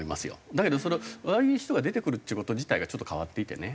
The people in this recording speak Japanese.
だけどああいう人が出てくるっていう事自体がちょっと変わっていてね。